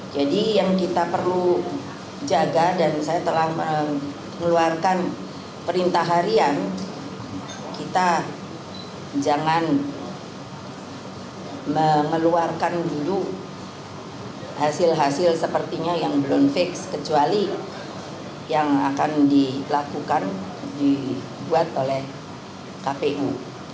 jadi yang kita perlu jaga dan saya telah mengeluarkan perintah harian kita jangan mengeluarkan dulu hasil hasil sepertinya yang belum fix kecuali yang akan dilakukan dibuat oleh kpu